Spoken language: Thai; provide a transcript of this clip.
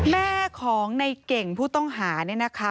แม่ของในเก่งผู้ต้องหาเนี่ยนะคะ